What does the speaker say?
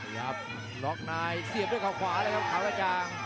หยับหลอกนายเสียบด้วยขวาขวาเลยครับ